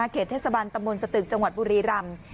เทศบันตำบลสตึกจังหวัดบุรีรำ